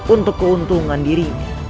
untuk keuntungan dirimu